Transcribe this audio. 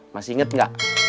masih inget gak